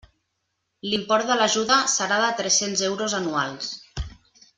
L'import de l'ajuda serà de tres-cents euros anuals.